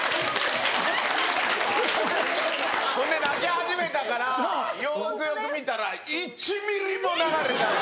泣き始めたからよくよく見たら１ミリも流れてない。